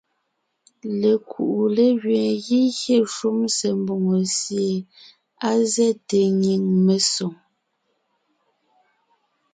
Lekuʼu légẅeen gígyé shúm se mbòŋo sie á zɛ́te nyìŋ mesoŋ.